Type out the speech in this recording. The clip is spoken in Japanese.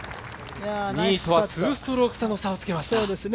２位とは２ストローク差をつけました。